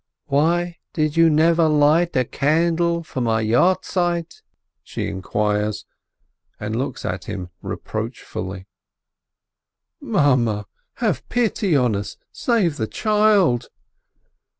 "Why do you never light a candle for my Yohrzeit ?" she inquires, and looks at him reproachfully. "Mame, have pity on us, save the child